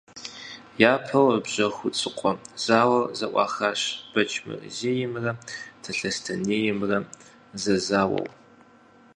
Япэу Бжьэхуцыкъуэ зауэр зэӀуахащ Бэчмырзеймрэ Талъостэнеймрэ зэзауэу.